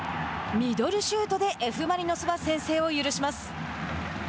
ミドルシュートでＦ・マリノスは先制を許します。